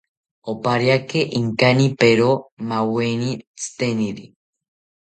Opariaki inkanipero maaweni tziteniri